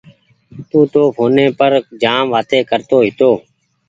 تونٚ تو ڦوني پر جآم وآتي ڪرتو هيتو۔